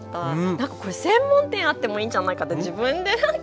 なんかこれ専門店あってもいいんじゃないかって自分でなんか。